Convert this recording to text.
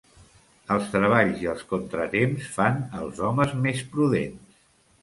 Els treballs i els contratemps fan els homes més prudents.